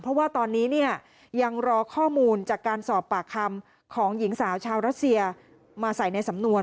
เพราะว่าตอนนี้เนี่ยยังรอข้อมูลจากการสอบปากคำของหญิงสาวชาวรัสเซียมาใส่ในสำนวน